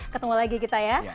ketemu lagi kita ya